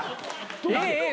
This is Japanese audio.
ええええ